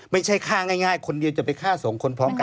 ไม่ใช่ฆ่าง่ายคนเดียวจะไปฆ่าสองคนพร้อมกัน